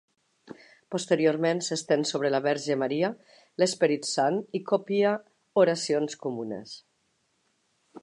Posteriorment s'estén sobre la Verge Maria, l'Esperit Sant i copia oracions comunes.